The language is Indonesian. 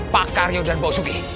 pak karyo dan bau subi